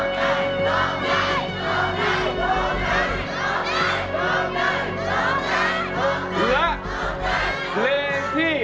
ร้องได้ร้องได้ร้องได้